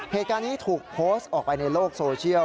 เหตุการณ์นี้ถูกโพสต์ออกไปในโลกโซเชียล